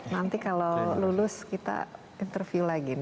nanti kalau lulus kita interview lagi